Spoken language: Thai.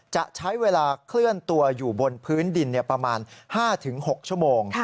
จะใช้เวลาเคลื่อนตัวอยู่บนพื้นดินประมาณ๕๖ชั่วโมง